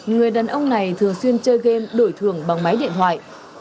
người đàn ông này thường xuyên chơi game đổi thường bằng máy điện thoại